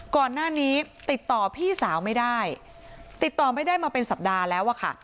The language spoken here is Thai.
ก่อนหน้านี้ติดต่อพี่สาวไม่ได้ติดต่อไม่ได้มาเป็นสัปดาห์แล้วอะค่ะ